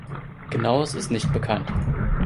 Genaues ist nicht bekannt.